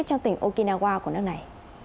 trong tỉnh okinawa của nước này